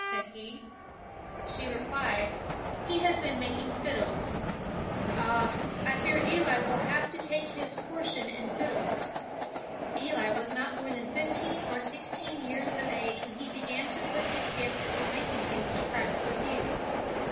said he. She repUed, 'He has been ELI WHITNEY IO9 making fiddles.' *Ah! I fear Eli will have to take his portion in fiddles!'" Eli was not more than fifteen or sixteen years of age when he began to put his gift for making things to prac tical use.